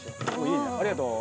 ありがとう。